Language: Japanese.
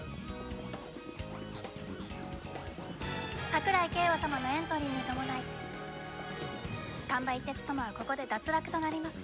桜井景和様のエントリーに伴い丹波一徹様はここで脱落となります。